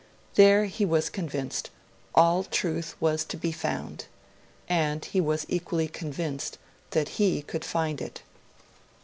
There, he was convinced, all truth was to be found; and he was equally convinced that he could find it.